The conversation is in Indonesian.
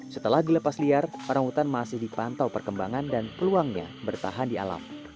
setelah dilepas liar orang hutan masih dipantau perkembangan dan peluangnya bertahan di alam